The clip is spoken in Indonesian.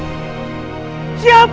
tidak tidak tidak tidak